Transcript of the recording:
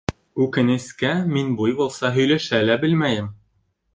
Үкенескә, мин буйволса һөйләшә лә белмәйем.